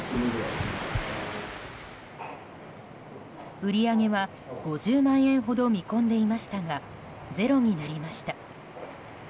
売り上げは５０万円ほど見込んでいましたがゼロになりました。